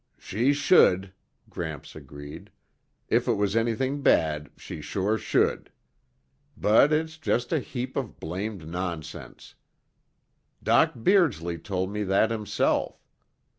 "She should," Gramps agreed. "If it was anything bad she sure should. But it's just a heap of blamed nonsense. Doc Beardsley told me that himself.